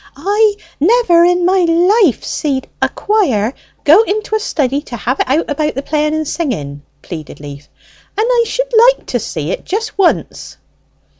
"I never in my life seed a quire go into a study to have it out about the playing and singing," pleaded Leaf; "and I should like to see it just once!"